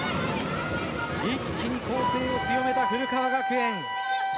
一気に攻勢を強めた古川学園。